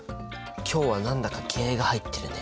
今日は何だか気合いが入ってるね。